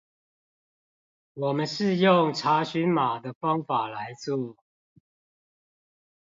我們是用查詢碼的方法來做